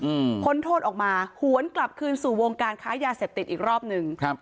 อืมพ้นโทษออกมาหวนกลับคืนสู่วงการค้ายาเสพติดอีกรอบหนึ่งครับ